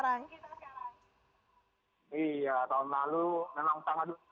pengen presentasi di musim tamal